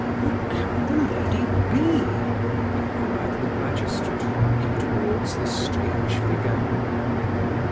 "Who can the lady be?" inquired the magistrate, looking towards the strange figure.